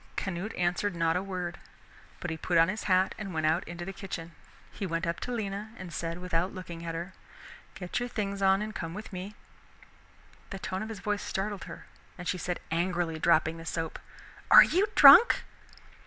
Canute answered not a word, but he put on his hat and went out into the kitchen. He went up to Lena and said without looking at her, "Get your things on and come with me!" The tones of his voice startled her, and she said angrily, dropping the soap, "Are you drunk?"